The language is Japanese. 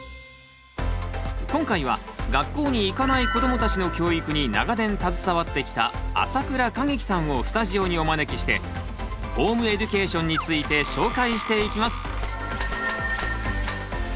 今回は学校に行かない子どもたちの教育に長年携わってきた朝倉景樹さんをスタジオにお招きしてホームエデュケーションについて紹介していきます。